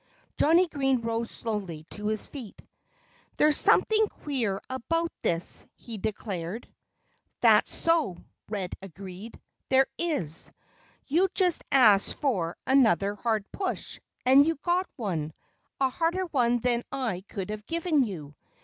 Johnnie Green rose slowly to his feet. "There's something queer about this," he declared. "That's so," Red agreed. "There is. You'd just asked for another hard push. ... And you got one a harder one than I could have given you.